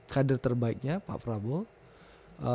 kader terbaiknya pak prabowo